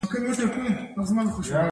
د ژیړي لپاره د څه شي اوبه وڅښم؟